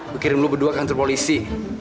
kukirim lo berdua ke kantor polisi